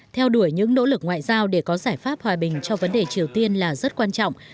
theo đuổi những nỗ lực ngoại giao để có giải pháp hòa bình cho vấn đề triều tiên là rất quan trọng